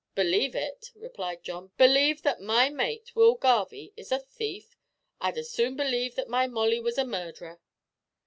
"Believe it," replied John, "believe that my mate, Will Garvie, is a thief? I'd as soon believe that my Molly was a murderer!"